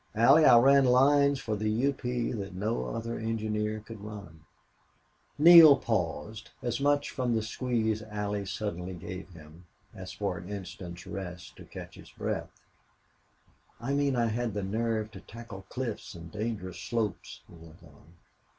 Allie, I ran lines for the U. P. that no other engineer could run." Neale paused, as much from the squeeze Allie suddenly gave him as for an instant's rest to catch his breath. "I mean I had the nerve to tackle cliffs and dangerous slopes," he went on.